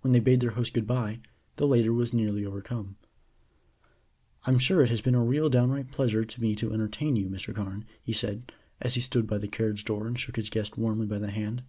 When they bade their host good bye, the later was nearly overcome. "I'm sure it has been a real downright pleasure to me to entertain you, Mr. Carne," he said, as he stood by the carriage door and shook his guest warmly by the hand.